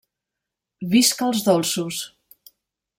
Visca els dolços!